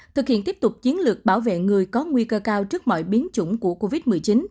thực hiện tiếp tục chiến lược bảo vệ người có nguy cơ cao trước mọi biến chủng của covid một mươi chín